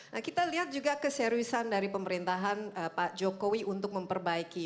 nah kita lihat juga keseriusan dari pemerintahan pak jokowi untuk memperbaiki